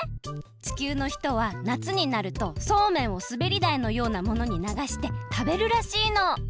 地球のひとはなつになるとそうめんをすべりだいのようなものにながしてたべるらしいの。